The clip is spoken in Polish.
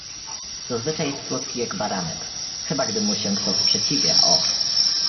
"zazwyczaj jest słodki jak baranek; chyba gdy mu się kto sprzeciwia, o!"